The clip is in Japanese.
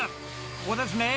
ここですね！